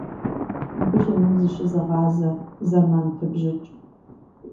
Блыным зыщызыгъазэ, зэман пыбжыкӀ.